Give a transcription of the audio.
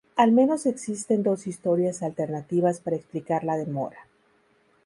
Al menos existen dos historias alternativas para explicar la demora.